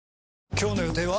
今日の予定は？